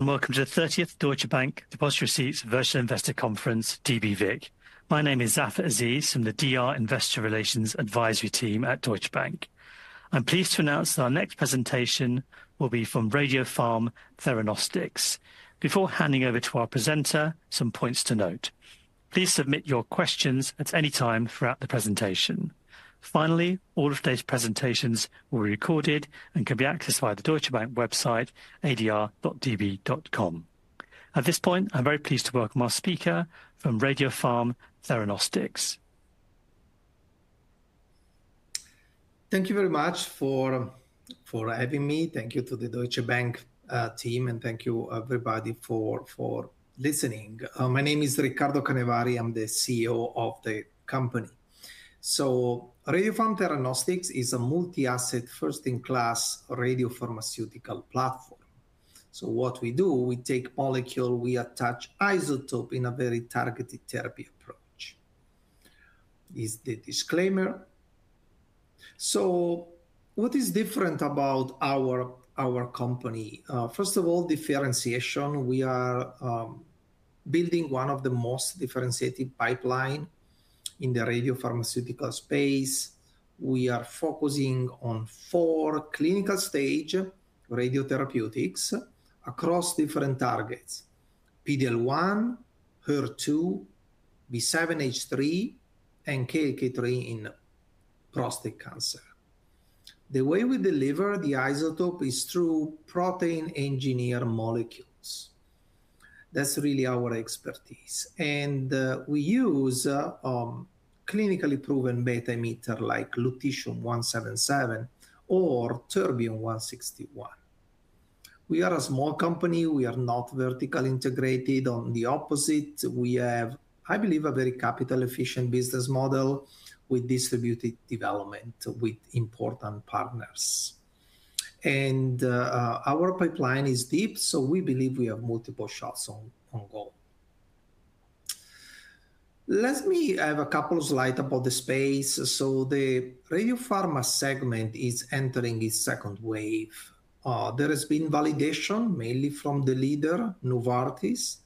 Welcome to the 30th Deutsche Bank Depositary Receipts Virtual Investor Conference, DBVIC. My name is Zafar Aziz from the DR Investor Relations Advisory Team at Deutsche Bank. I'm pleased to announce that our next presentation will be from Radiopharm Theranostics. Before handing over to our presenter, some points to note. Please submit your questions at any time throughout the presentation. Finally, all of today's presentations will be recorded and can be accessed via the Deutsche Bank website, adr.db.com. At this point, I'm very pleased to welcome our speaker from Radiopharm Theranostics. Thank you very much for having me. Thank you to the Deutsche Bank team, and thank you everybody for listening. My name is Riccardo Canevari. I'm the CEO of the company. Radiopharm Theranostics is a multi-asset, first-in-class radiopharmaceutical platform. What we do, we take molecule, we attach isotope in a very targeted therapy approach. This is the disclaimer. What is different about our company? First of all, differentiation. We are building one of the most differentiated pipeline in the radiopharmaceutical space. We are focusing on four clinical stage radiotherapeutics across different targets, PD-L1, HER2, B7-H3, and KLK3 in prostate cancer. The way we deliver the isotope is through protein engineer molecules. That's really our expertise. We use clinically proven beta emitter like Lutetium-177 or Terbium-161. We are a small company. We are not vertically integrated. On the opposite, we have, I believe, a very capital efficient business model with distributed development with important partners. Our pipeline is deep, so we believe we have multiple shots on goal. Let me have a couple of slides about the space. The radiopharm segment is entering its second wave. There has been validation, mainly from the leader, Novartis,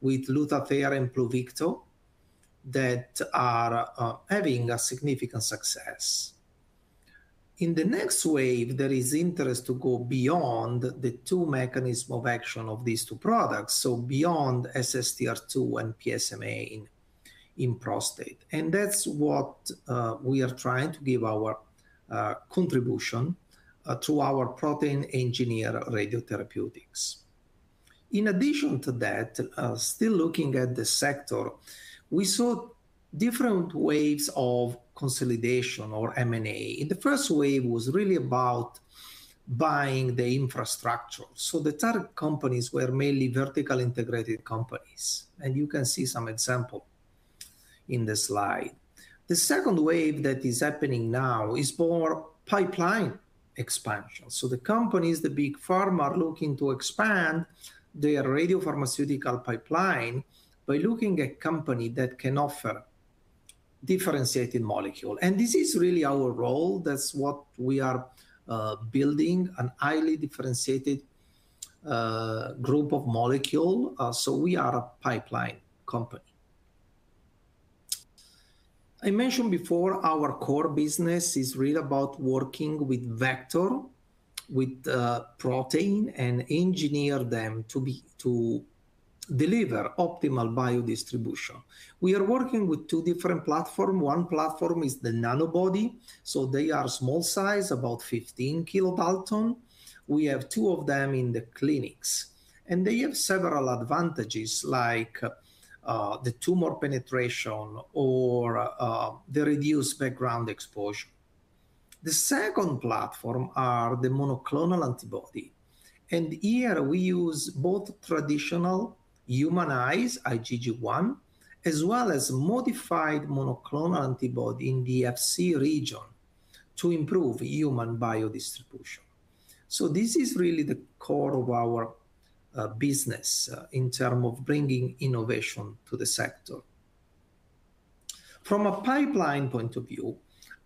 with Lutathera and Pluvicto, that are having a significant success. In the next wave, there is interest to go beyond the two mechanism of action of these two products, so beyond SSTR2 and PSMA in prostate. That's what we are trying to give our contribution to our protein engineer radiotherapeutics. In addition to that, still looking at the sector, we saw different waves of consolidation or M&A. The first wave was really about buying the infrastructure. The target companies were mainly vertically integrated companies, and you can see some examples in the slide. The second wave that is happening now is more pipeline expansion. The companies, the big pharma, are looking to expand their radiopharmaceutical pipeline by looking at companies that can offer differentiated molecules. This is really our role. That's what we are building, a highly differentiated group of molecules. We are a pipeline company. I mentioned before our core business is really about working with vectors, with proteins, and engineer them to deliver optimal biodistribution. We are working with two different platforms. One platform is the nanobody; they are small size, about 15 kilodalton. We have two of them in the clinics. They have several advantages like the tumor penetration or the reduced background exposure. The second platform are the monoclonal antibodies. Here we use both traditional humanized IgG1, as well as modified monoclonal antibody in the Fc region to improve human biodistribution. This is really the core of our business in terms of bringing innovation to the sector. From a pipeline point of view,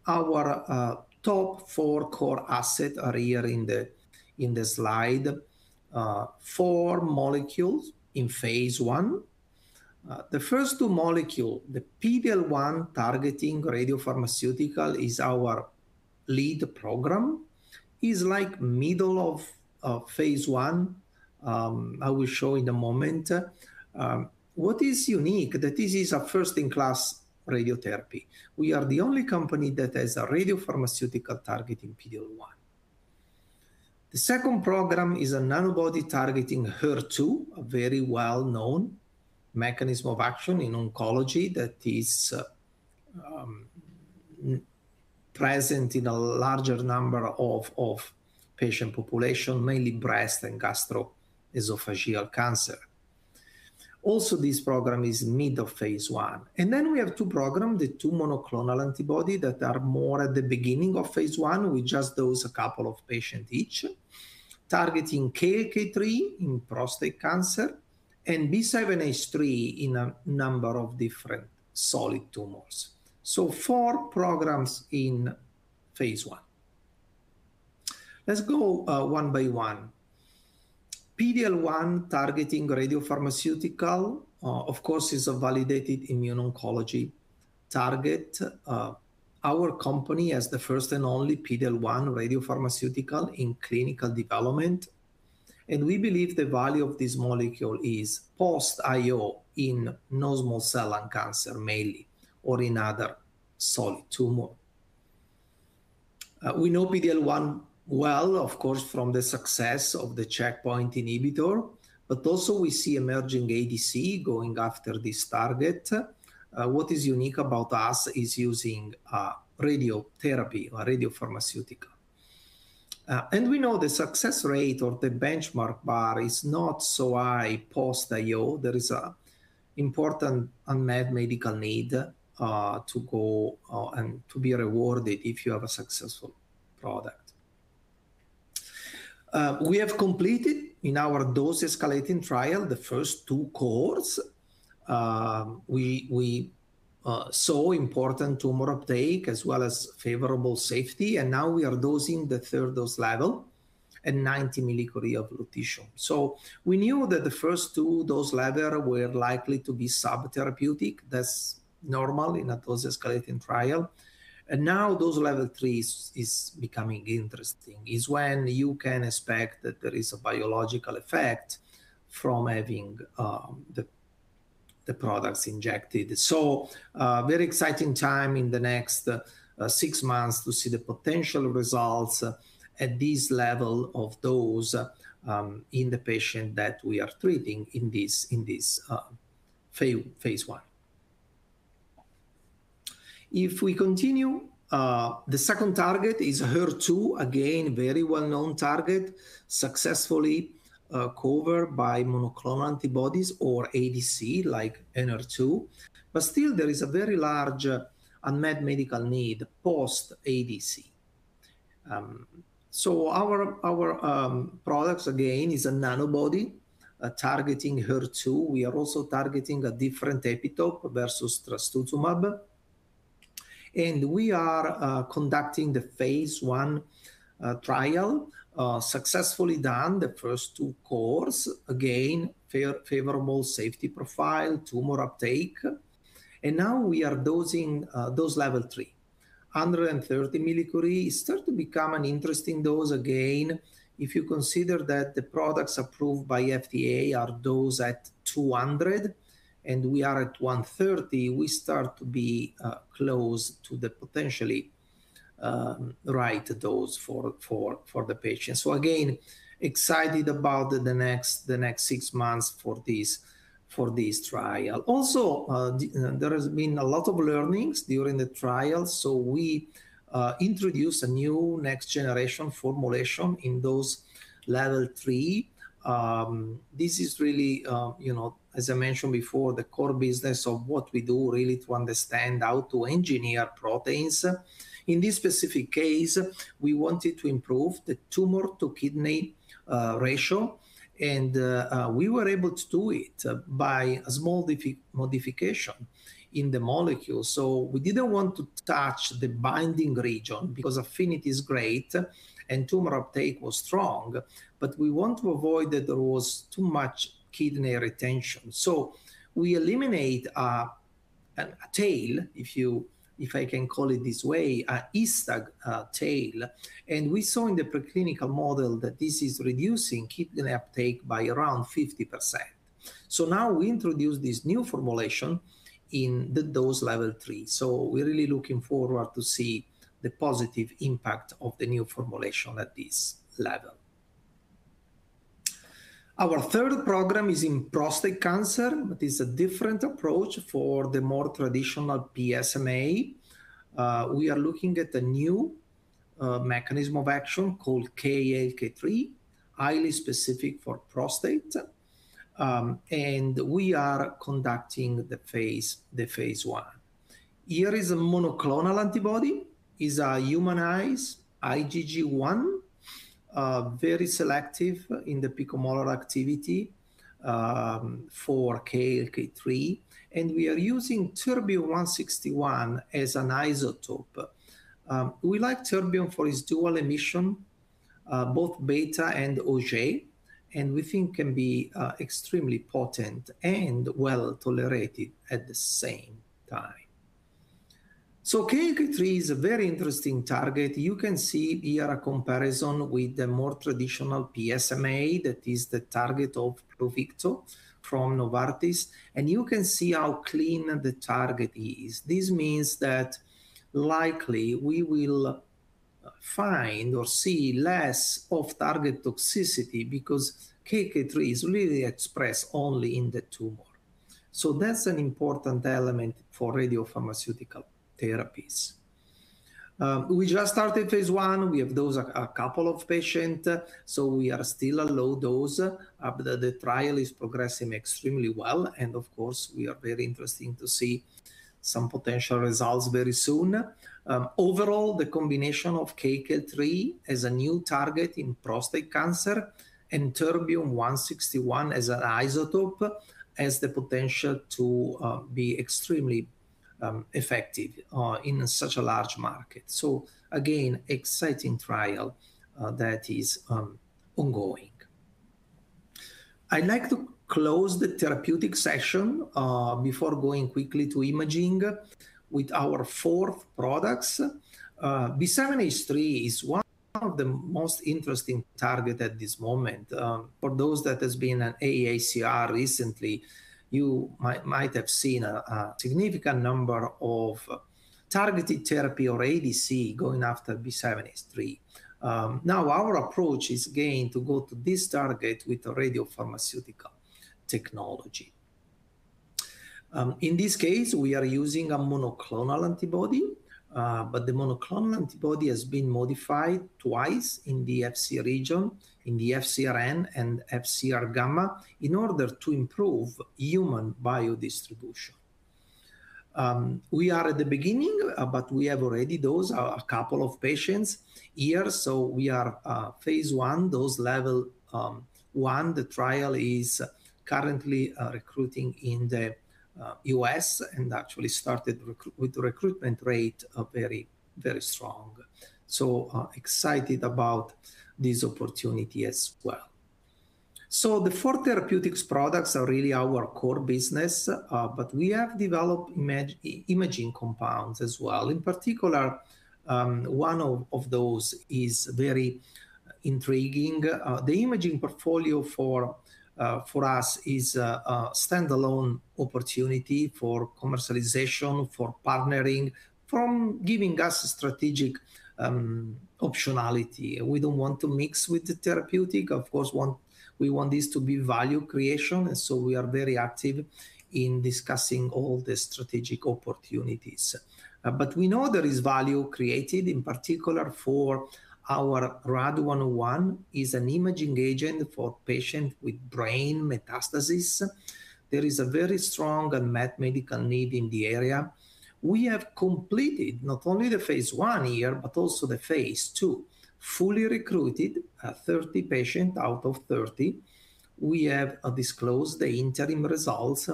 our top four core assets are here in the slide. Four molecules in phase I. The first two molecules, the PD-L1 targeting radiopharmaceutical is our lead program, is like middle of phase I will show in a moment. What is unique that this is a first-in-class radiotherapy. We are the only company that has a radiopharmaceutical targeting PD-L1. The second program is a nanobody targeting HER2, a very well-known mechanism of action in oncology that is present in a larger number of patient population, mainly breast and gastroesophageal cancer. Also, this program is mid of phase I. We have two programs, the two monoclonal antibodies that are more at the beginning of phase I. We just dose two patients each, targeting KLK3 in prostate cancer and B7-H3 in a number of different solid tumors. Four programs in phase I. Let's go one by one. PD-L1 targeting radiopharmaceutical, of course, is a validated immune oncology target. Our company has the first and only PD-L1 radiopharmaceutical in clinical development, and we believe the value of this molecule is post-IO in non-small cell lung cancer mainly or in other solid tumor. We know PD-L1 well, of course, from the success of the checkpoint inhibitor, but also we see emerging ADC going after this target. What is unique about us is using radiotherapy or radiopharmaceutical. We know the success rate or the benchmark bar is not so high post-IO. There is a important unmet medical need to go and to be rewarded if you have a successful product. We have completed in our dose escalating trial the first two cores. We saw important tumor uptake as well as favorable safety, now we are dosing the third dose level at 90 millicurie of lutetium. We knew that the first two dose level were likely to be subtherapeutic. That's normal in a dose escalating trial. Now dose level three is becoming interesting, is when you can expect that there is a biological effect from having the products injected. Very exciting time in the next six months to see the potential results at this level of dose in the patient that we are treating in this phase I. If we continue, the second target is HER2, again, very well-known target, successfully covered by monoclonal antibodies or ADC like Enhertu. Still there is a very large unmet medical need post-ADC. Our products again is a nanobody targeting HER2. We are also targeting a different epitope versus trastuzumab. We are conducting the phase I trial, successfully done the first two cores, again, favorable safety profile, tumor uptake. Now we are dosing dose level 3.130 millicurie start to become an interesting dose again, if you consider that the products approved by FDA are dosed at 200 mCi, and we are at 130 mCi, we start to be close to the potentially right dose for the patient. Again, excited about the next six months for this trial. Also, you know, there has been a lot of learnings during the trial, so we introduced a new next generation formulation in dose level three. This is really, you know, as I mentioned before, the core business of what we do really to understand how to engineer proteins. In this specific case, we wanted to improve the tumor-to-kidney ratio, and we were able to do it by a small modification in the molecule. We didn't want to touch the binding region because affinity is great and tumor uptake was strong, but we want to avoid that there was too much kidney retention. We eliminate a tail, if I can call it this way, a His-tag tail, and we saw in the preclinical model that this is reducing kidney uptake by around 50%. Now we introduce this new formulation in the dose level three. We're really looking forward to see the positive impact of the new formulation at this level. Our third program is in prostate cancer, but it's a different approach for the more traditional PSMA. We are looking at a new mechanism of action called KLK3, highly specific for prostate. We are conducting the phase I. Here is a monoclonal antibody, is a humanized IgG1, very selective in the picomolar activity for KLK3, and we are using terbium-161 as an isotope. We like terbium for its dual emission, both beta and Auger, and we think can be extremely potent and well-tolerated at the same time. KLK3 is a very interesting target. You can see here a comparison with the more traditional PSMA that is the target of Pluvicto from Novartis, and you can see how clean the target is. This means that likely we will find or see less off-target toxicity because KLK3 is really expressed only in the tumor. That's an important element for radiopharmaceutical therapies. We just started phase I. We have dosed a couple of patients, so we are still a low dose. The trial is progressing extremely well, and of course, we are very interested to see some potential results very soon. Overall, the combination of KLK3 as a new target in prostate cancer and Terbium-161 as an isotope has the potential to be extremely effective in such a large market. Again, exciting trial that is ongoing. I'd like to close the therapeutic session before going quickly to imaging with our four products. B7-H3 is one of the most interesting target at this moment. For those that has been at AACR recently, you might have seen a significant number of targeted therapy or ADC going after B7-H3. Now our approach is again to go to this target with the radiopharmaceutical technology. In this case, we are using a monoclonal antibody, but the monoclonal antibody has been modified twice in the Fc region, in the FcRn and Fc-gamma receptor, in order to improve human biodistribution. We are at the beginning, but we have already dosed a couple of patients here, we are phase I, dose level one. The trial is currently recruiting in the U.S., actually started with recruitment rate very, very strong. Excited about this opportunity as well. The four therapeutics products are really our core business, but we have developed imaging compounds as well. In particular, one of those is very intriguing. The imaging portfolio for us is a standalone opportunity for commercialization, for partnering, from giving us strategic optionality. We don't want to mix with the therapeutic. We want this to be value creation, we are very active in discussing all the strategic opportunities. We know there is value created, in particular for our RAD 101, is an imaging agent for patients with brain metastases. There is a very strong unmet medical need in the area. We have completed not only the phase I here, but also the phase II. Fully recruited, 30 patients out of 30. We have disclosed the interim results,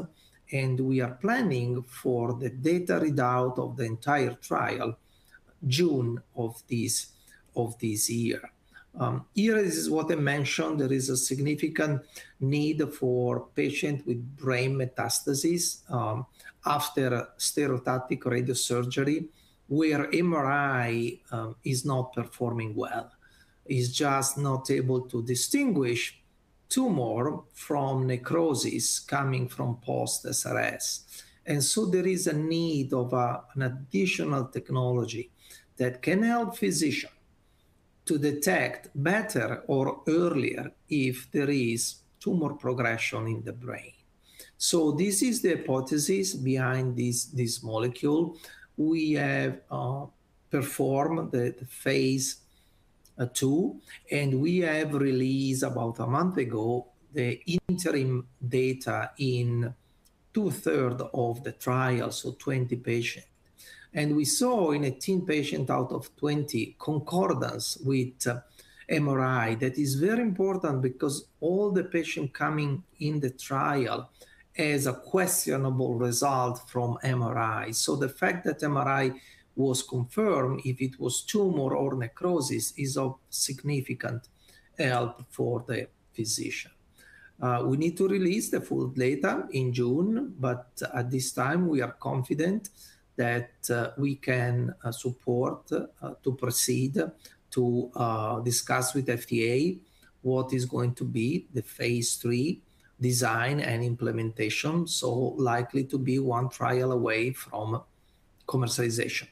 we are planning for the data readout of the entire trial June of this year. Here is what I mentioned. There is a significant need for patient with brain metastases after stereotactic radiosurgery, where MRI is not performing well, is just not able to distinguish tumor from necrosis coming from post-SRS. There is a need of an additional technology that can help physician to detect better or earlier if there is tumor progression in the brain. This is the hypothesis behind this molecule. We have performed the phase II, and we have released about a month ago the interim data in 2/3 of the trial, so 20 patient. We saw in 18 patient out of 20 concordance with MRI. That is very important because all the patient coming in the trial has a questionable result from MRI. The fact that MRI was confirmed, if it was tumor or necrosis, is of significant help for the physician. We need to release the full data in June, but at this time, we are confident that we can support to proceed to discuss with FDA what is going to be the phase III design and implementation, so likely to be one trial away from commercialization.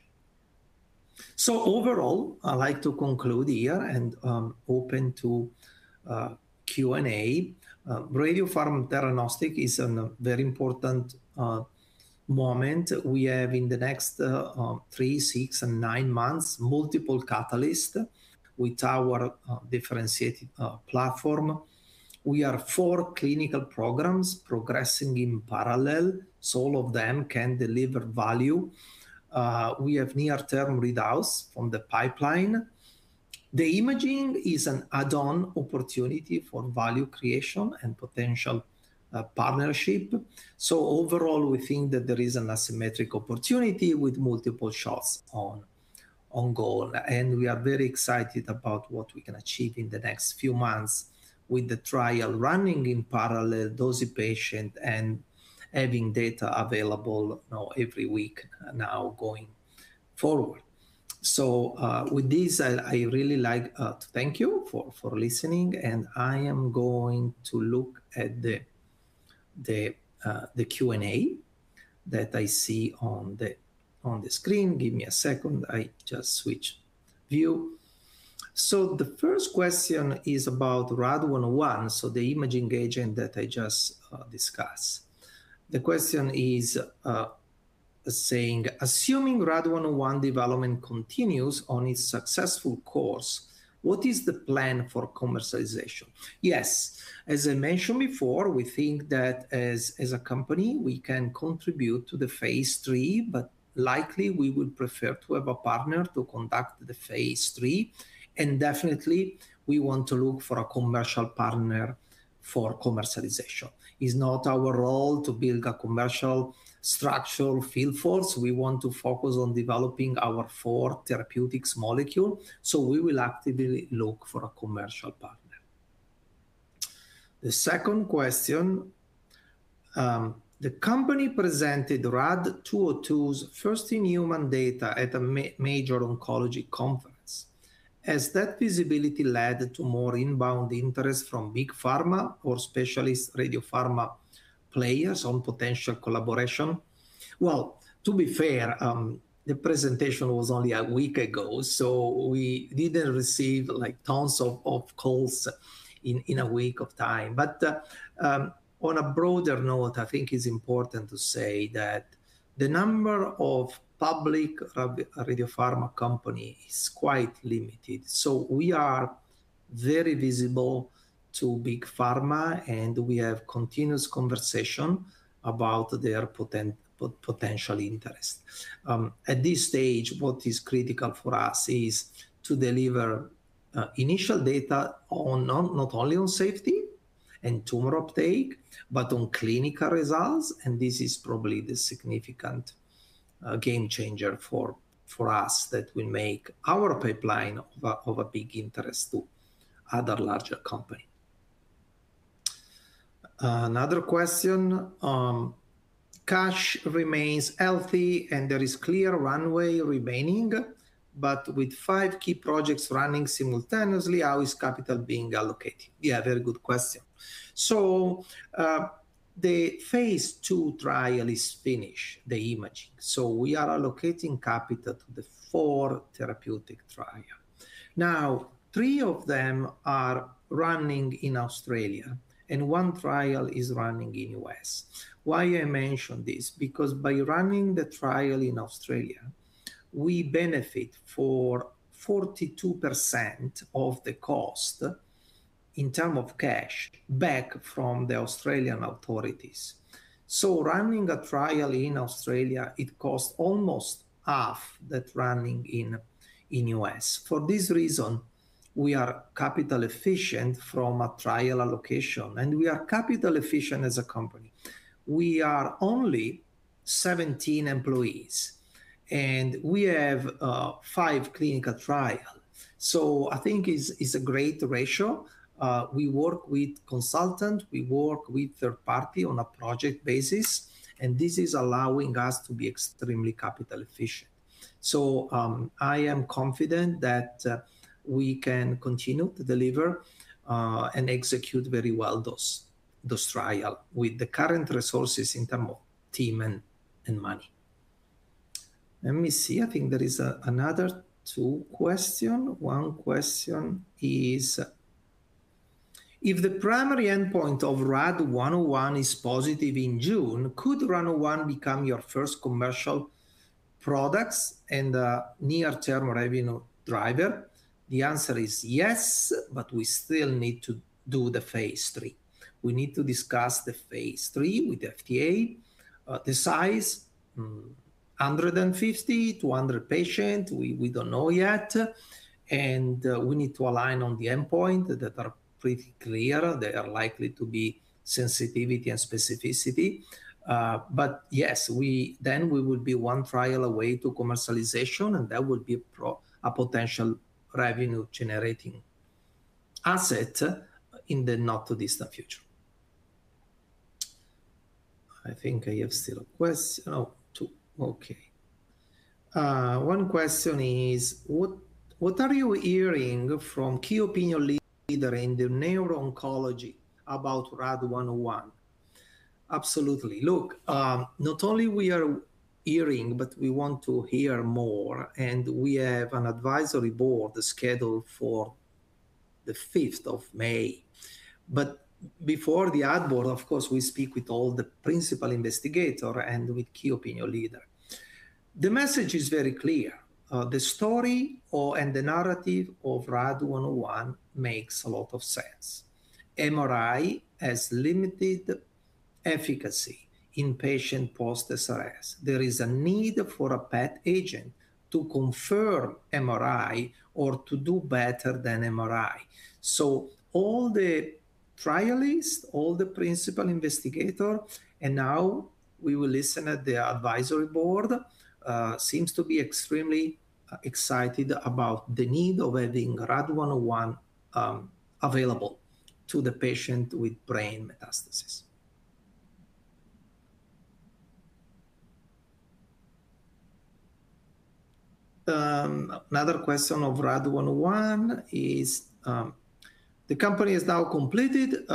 Overall, I'd like to conclude here and open to Q&A. Radiopharm Theranostics is a very important moment. We have in the three, six, and nine months multiple catalyst with our differentiated platform. We have four clinical programs progressing in parallel, all of them can deliver value. We have near-term readouts from the pipeline. The imaging is an add-on opportunity for value creation and potential partnership. Overall, we think that there is an asymmetric opportunity with multiple shots on goal, and we are very excited about what we can achieve in the next few months with the trial running in parallel, dosing patient, and having data available, you know, every week now going forward. With this, I really like to thank you for listening, and I am going to look at the Q&A that I see on the screen. Give me a second. I just switch view. The first question is about RAD 101, the imaging agent that I just discussed. The question is, saying, "Assuming RAD 101 development continues on its successful course, what is the plan for commercialization?" Yes, as I mentioned before, we think that as a company, we can contribute to the phase III. Likely we would prefer to have a partner to conduct the phase III. Definitely we want to look for a commercial partner for commercialization. It is not our role to build a commercial structural field force. We want to focus on developing our four therapeutics molecule. We will actively look for a commercial partner. The second question, the company presented RAD202's first in human data at a major oncology conference. Has that visibility led to more inbound interest from big pharma or specialist radiopharma players on potential collaboration? To be fair, the presentation was only a week ago, so we didn't receive, like, tons of calls in a week of time. On a broader note, I think it's important to say that the number of public radiopharma company is quite limited. We are very visible to big pharma, and we have continuous conversation about their potential interest. At this stage, what is critical for us is to deliver initial data on not only on safety and tumor uptake, but on clinical results, and this is probably the significant game changer for us that will make our pipeline of a big interest to other larger company. Another question, cash remains healthy, and there is clear runway remaining, but with five key projects running simultaneously, how is capital being allocated? Yeah, very good question. The phase II trial is finished, the imaging. We are allocating capital to the four therapeutic trial. Three of them are running in Australia, and one trial is running in U.S. Why I mention this? Because by running the trial in Australia, we benefit for 42% of the cost in terms of cash back from the Australian authorities. Running a trial in Australia, it costs almost half that running in U.S. For this reason, we are capital efficient from a trial allocation, and we are capital efficient as a company. We are only 17 employees, and we have five clinical trials. I think is a great ratio. We work with consultants, we work with third-party on a project basis, and this is allowing us to be extremely capital efficient. I am confident that we can continue to deliver and execute very well those trial with the current resources in term of team and money. Let me see. I think there is another two question. One question is, "If the primary endpoint of RAD 101 is positive in June, could RAD 101 become your first commercial products and a near-term revenue driver?" The answer is yes, we still need to do the phase III. We need to discuss the phase III with the FDA. The size, 150 to 100 patient. We don't know yet. We need to align on the endpoint that are pretty clear. They are likely to be sensitivity and specificity. We would be one trial away to commercialization, that would be a potential revenue generating asset in the not too distant future. I think I have still oh, two. Okay. One question is, "What are you hearing from key opinion leader in the neuro-oncology about RAD 101?" Absolutely. Look, not only we are hearing, but we want to hear more, we have an advisory board scheduled for the fifth of May. Before the ad board, of course, we speak with all the principal investigator and with key opinion leader. The message is very clear. The story or the narrative of RAD 101 makes a lot of sense. MRI has limited efficacy in patient post SRS. There is a need for a PET agent to confirm MRI or to do better than MRI. All the trialists, all the principal investigator, and now we will listen at the advisory board, seems to be extremely excited about the need of having RAD 101 available to the patient with brain metastasis. Another question of RAD 101 is, "The company has now completed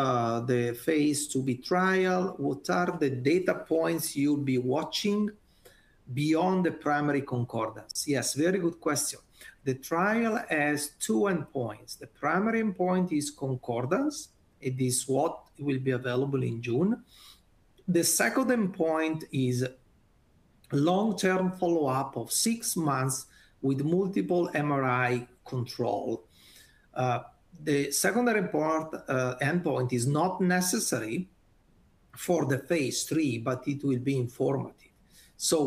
the phase II-B trial. What are the data points you'll be watching beyond the primary concordance?" Yes, very good question. The trial has two endpoints. The primary endpoint is concordance. It is what will be available in June. The second endpoint is long-term follow-up of six months with multiple MRI control. The secondary part, endpoint is not necessary for the phase III, but it will be informative.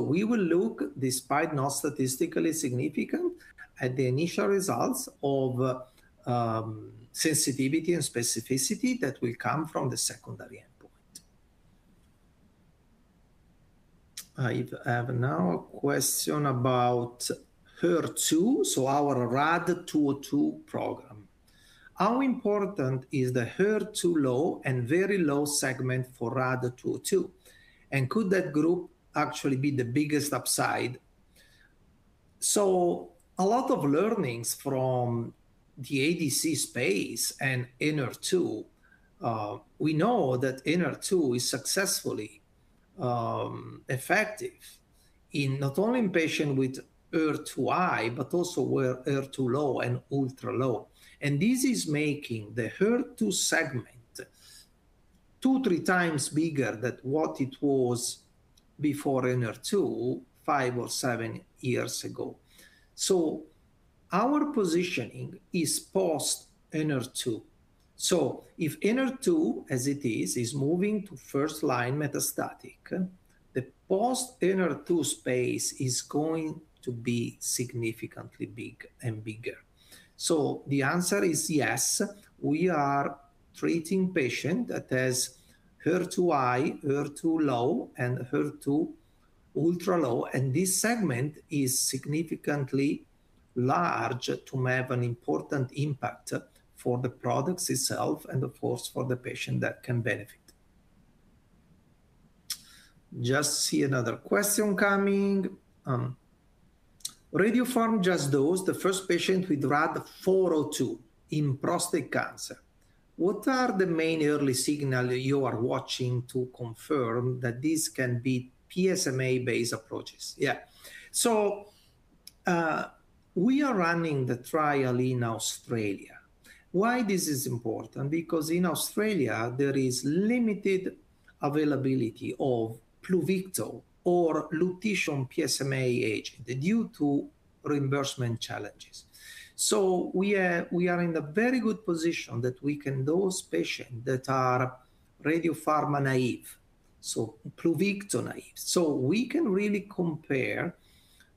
We will look, despite not statistically significant, at the initial results of sensitivity and specificity that will come from the secondary endpoint. I have now a question about HER2, our RAD202 program. How important is the HER2 low and very low segment for RAD202? Could that group actually be the biggest upside? A lot of learnings from the ADC space and Enhertu, we know that Enhertu is successfully effective in not only in patient with HER2 high, but also where HER2 low and ultra low. This is making the HER2 segment two, three times bigger than what it was before Enhertu five or seven years ago. Our positioning is post Enhertu. If Enhertu, as it is moving to first line metastatic, the post Enhertu space is going to be significantly big and bigger. The answer is yes, we are treating patient that has HER2 high, HER2 low, and HER2 ultra low, and this segment is significantly large to have an important impact for the products itself and of course for the patient that can benefit. Just see another question coming. Radiopharm just dosed the first patient with RAD 402 in prostate cancer. What are the main early signal you are watching to confirm that this can beat PSMA-based approaches? We are running the trial in Australia. Why this is important? Because in Australia, there is limited availability of Pluvicto or lutetium PSMA agent due to reimbursement challenges. We are in a very good position that we can dose patient that are Radiopharm-naive, so Pluvicto-naive. We can really compare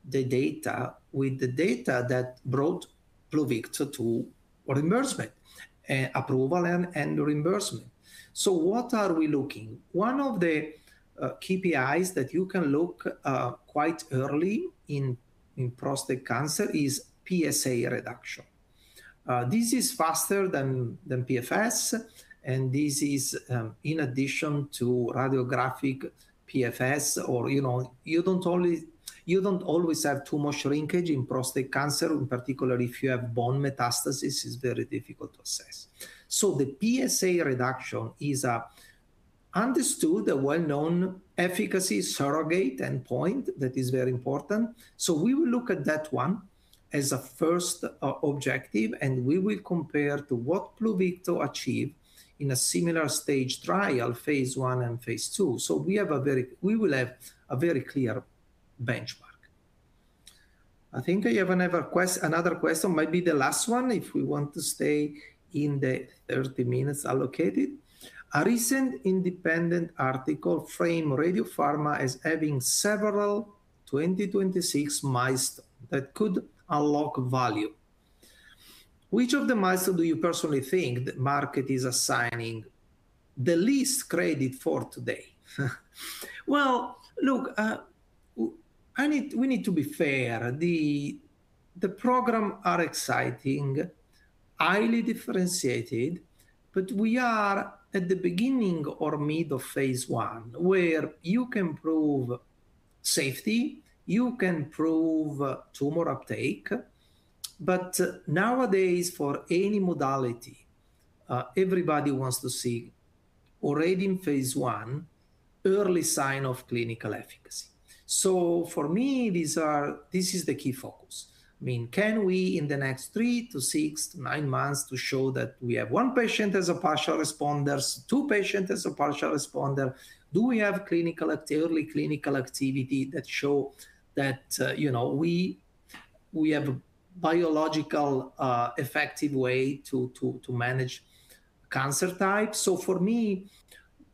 the data with the data that brought Pluvicto to reimbursement, approval and reimbursement. What are we looking? One of the KPIs that you can look quite early in prostate cancer is PSA reduction. This is faster than PFS, and this is in addition to radiographic PFS or, you know. You don't always have tumor shrinkage in prostate cancer, and particularly if you have bone metastasis, it's very difficult to assess. The PSA reduction is an understood, a well-known efficacy surrogate endpoint that is very important. We will look at that one as a first objective, and we will compare to what Pluvicto achieved in a similar stage trial, phase I and phase II. We will have a very clear benchmark. I think I have another question. Might be the last one if we want to stay in the 30 minutes allocated. A recent independent article frame Radiopharm as having several 2026 milestone that could unlock value. Which of the milestone do you personally think the market is assigning the least credit for today? Look, we need to be fair. The program are exciting, highly differentiated, but we are at the beginning or mid of phase I, where you can prove safety, you can prove tumor uptake. Nowadays, for any modality, everybody wants to see already in phase I early sign of clinical efficacy. For me, this is the key focus. I mean, can we in the next three to six to nine months to show that we have one patient as a partial responder, two patient as a partial responder? Do we have early clinical activity that show that, you know, we have a biological, effective way to, to manage cancer types? For me,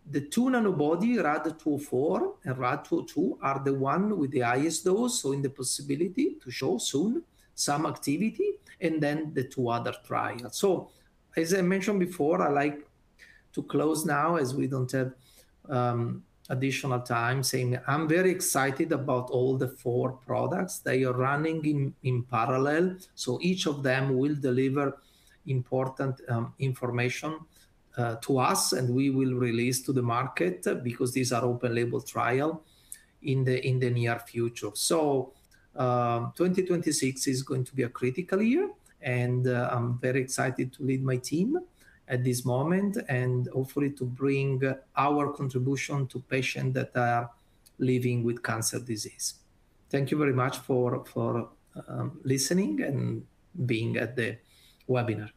the two nanobody, RAD204 and RAD202, are the one with the highest dose, in the possibility to show soon some activity, and then the two other trial. As I mentioned before, I like to close now as we don't have additional time, saying I'm very excited about all the four products. They are running in parallel, each of them will deliver important information to us, and we will release to the market, because these are open label trial, in the, in the near future. 2026 is going to be a critical year, and, I'm very excited to lead my team at this moment and hopefully to bring our contribution to patient that are living with cancer disease. Thank you very much for listening and being at the webinar.